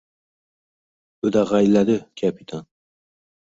o`dag`ayladi kapitan